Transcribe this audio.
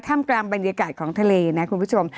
กลางบรรยากาศของทะเลนะคุณผู้ชม